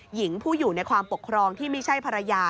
หญิงผู้อยู่ในความปกครองที่ไม่ใช่ภรรยา